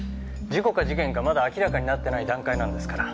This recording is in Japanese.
事故か事件かまだ明らかになってない段階なんですから。